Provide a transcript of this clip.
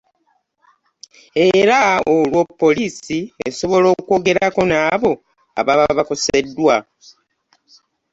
Era olwo poliisi esobola okwogerako n’abo ababa bakoseddwa.